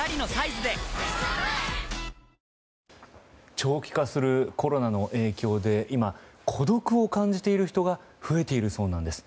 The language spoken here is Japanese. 長期化するコロナの影響で今、孤独を感じている人が増えているそうなんです。